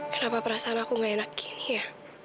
kenapa perasaan aku gak enak gini ya